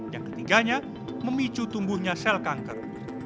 yang ketiganya memicu tumbuhnya sel kanker